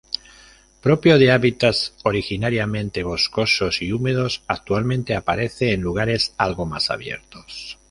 Propio de hábitats originariamente boscosos y húmedos, actualmente aparece en lugares algo más abiertos.